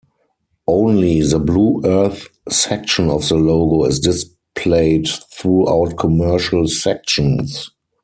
Only the blue earth section of the logo is displayed throughout commercial sections.